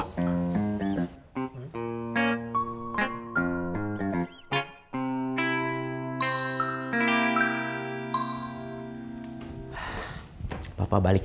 cikgu emang bun ah